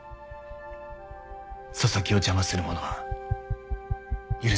紗崎を邪魔する者は許さない。